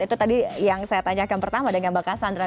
itu tadi yang saya tanyakan pertama dengan mbak cassandra